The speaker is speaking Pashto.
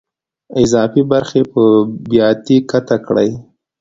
اضافي برخې په بیاتي قطع کړئ.